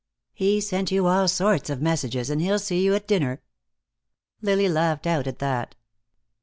"He sent you all sorts of messages, and he'll see you at dinner." Lily laughed out at that.